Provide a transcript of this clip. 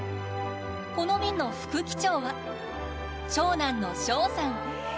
この便の副機長は長男の翔さん。